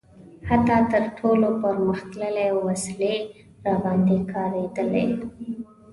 حتی تر ټولو پرمختللې وسلې راباندې کارېدلي.